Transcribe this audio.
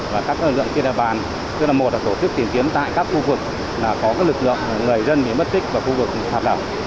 và các lực lượng tiên đa bàn tức là một là tổ chức tìm kiếm tại các khu vực có lực lượng người dân bị mất tích và khu vực hạt động